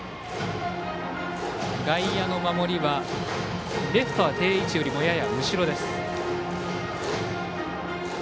外野の守りはレフトは定位置よりもやや後ろです。